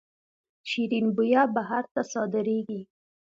شیرین بویه بهر ته صادریږي